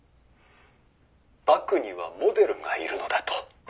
「バクにはモデルがいるのだと」